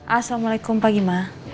assalamualaikum pak gima